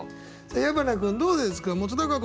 矢花君どうですか？